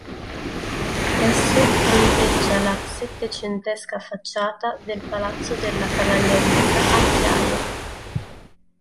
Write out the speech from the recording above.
Esso fronteggia la settecentesca facciata del Palazzo della Cavallerizza a Chiaia.